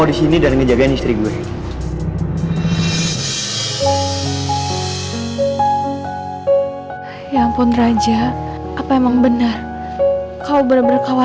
dia berani macam macam